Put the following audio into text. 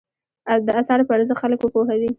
د اثارو په ارزښت خلک وپوهوي.